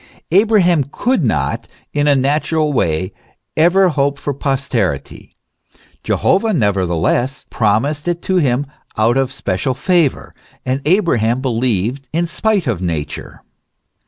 Abraham could not, in a natural way, ever hope for posterity ; Jehovah nevertheless promised it to him out of special favour ; and Abraham believed in spite of Nature.